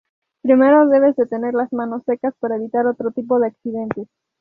Primero, debes de tener las manos secas para evitar otro tipo de accidentes.